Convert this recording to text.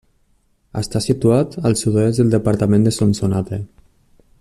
Està situat al sud-oest del departament de Sonsonate.